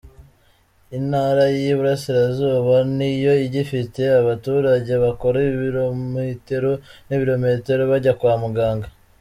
Intara y’i Burasirazuba niyo igifite abaturage bakora ibirometero n’ibirometero bajya kwa muganga.